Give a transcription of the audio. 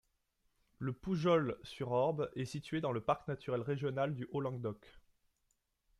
Le Poujol-sur-Orb est situé dans le parc naturel régional du Haut-Languedoc.